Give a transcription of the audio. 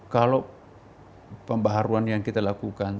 kalau pembaharuan yang kita lakukan